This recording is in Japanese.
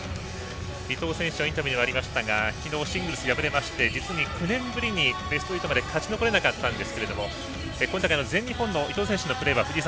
伊藤選手はインタビューでもありましたが昨日、シングルスで敗れまして実に９年ぶりにベスト８まで勝ち残れなかったんですが今大会の全日本の伊藤選手のプレーは藤井さん